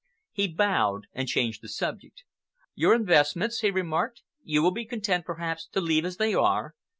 He bowed and changed the subject. "Your investments," he remarked, "you will be content, perhaps, to leave as they are.